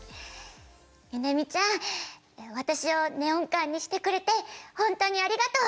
「ゆねみちゃん私をネオン管にしてくれてほんとにありがとう！